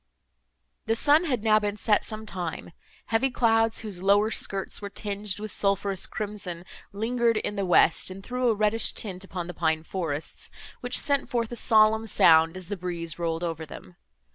The sun had now been set some time; heavy clouds, whose lower skirts were tinged with sulphureous crimson, lingered in the west, and threw a reddish tint upon the pine forests, which sent forth a solemn sound, as the breeze rolled over them.